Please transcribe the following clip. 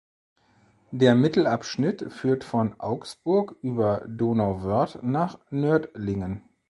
Der Mittelabschnitt führt von Augsburg über Donauwörth nach Nördlingen.